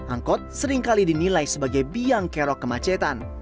angkot seringkali dinilai sebagai biang kerok kemacetan